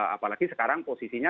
apalagi sekarang posisinya